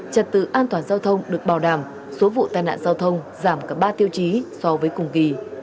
trật tự an toàn giao thông được bảo đảm số vụ tai nạn giao thông giảm cả ba tiêu chí so với cùng kỳ